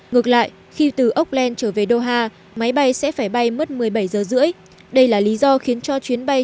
ngược lại khi từ okland trở về doha máy bay sẽ phải bay mất một mươi bảy h ba mươi đây là lý do khiến cho chuyến bay